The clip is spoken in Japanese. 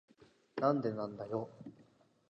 なんでなんだよ。